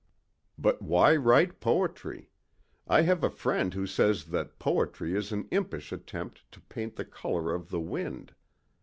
"But why write poetry. I have a friend who says that poetry is an impish attempt to paint the color of the wind.